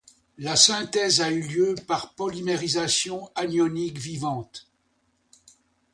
La synthèse a eu lieu par polymérisation anionique vivante.